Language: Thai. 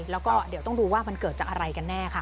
แล้วก็เดี๋ยวต้องดูว่ามันเกิดจากอะไรกันแน่ค่ะ